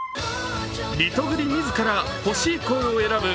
リトグリ自ら欲しい声を選ぶ